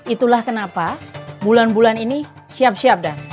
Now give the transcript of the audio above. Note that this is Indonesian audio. itulah kenapa bulan bulan ini siap siap dah